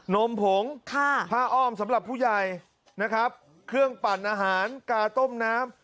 นมผงผ้าอ้อมสำหรับผู้ใหญ่นะครับเครื่องปั่นอาหารกาต้มน้ำ